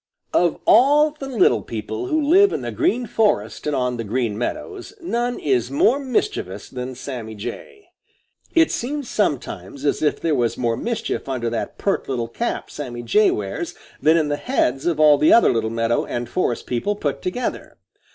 Of all the little people who live in the Green Forest and on the Green Meadows, none is more mischievous than Sammy Jay. It seems sometimes as if there was more mischief under that pert little cap Sammy Jay wears than in the heads of all the other little meadow and forest people put together.